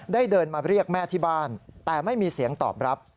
เดินมาเรียกแม่ที่บ้านแต่ไม่มีเสียงตอบรับ